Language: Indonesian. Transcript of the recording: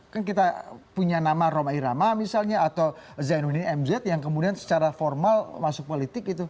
kan kita punya nama roma irama misalnya atau zainuddin mz yang kemudian secara formal masuk politik gitu